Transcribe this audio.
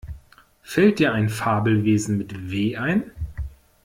Fällt dir ein Fabelwesen mit W ein?